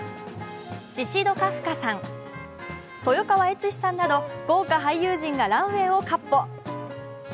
シシド・カフカさん、豊川悦司さんなど豪華俳優陣がランウェイをかっ歩。